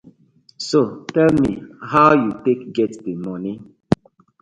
So tell me, how yu tak get di moni?